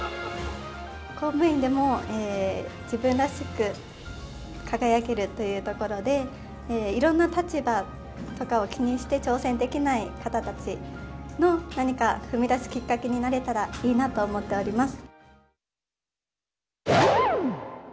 公務員でも自分らしく輝けるというところで、いろんな立場とかを気にして挑戦できない方たちの、何か踏み出すきっかけになれたらいいなと思っております。